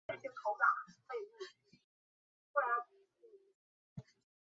乾隆四十八年担任台湾北路协副将。